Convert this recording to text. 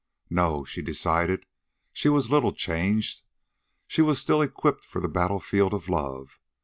No, she decided; she was little changed. She was still equipped for the battlefield of love.